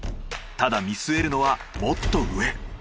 ただ見据えるのはもっと上。